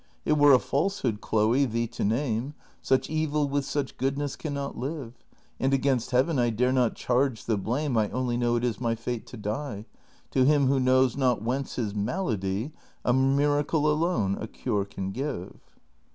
It were a falsehood, Chloe, thee to name ; Such evil with such goodness can not live ; And against Heaven I dare not charge the blame, I only know it is my fate to die. To him Avho knows not whence his malady A miracle alone a cure can give.'